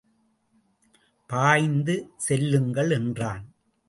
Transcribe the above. பாய்ந்து செல்லுங்கள்! என்றான்.